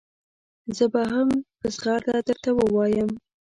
زه به هم په زغرده درته ووایم.